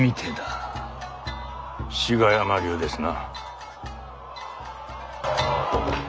志賀山流ですな。